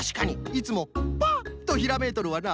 いつもパッとひらめいとるわな。